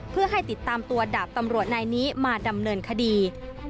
เพื่อให้ติดตามตัวดาบตำรวจนายนี้มาดำเนินคดี